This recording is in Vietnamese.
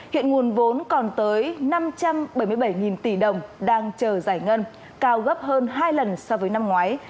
hiện nguồn vốn còn tới năm trăm bảy mươi bảy tỷ đồng đang chờ giải ngân cao gấp hơn hai lần so với năm ngoái